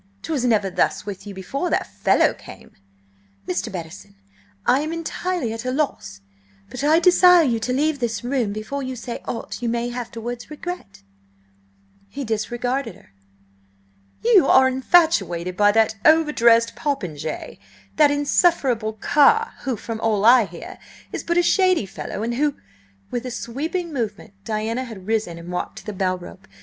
'Twas never thus with you before that fellow came!" "Mr. Bettison, I am entirely at a loss, but I desire you to leave this room before you say aught you may afterwards regret." He disregarded her. "You are infatuated by that over dressed popinjay–that insufferable Carr, who, from all I hear, is but a shady fellow, and who–" With a sweeping movement Diana had risen and walked to the bell rope.